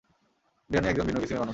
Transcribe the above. Danny একজন ভিন্ন কিসিমের মানুষ।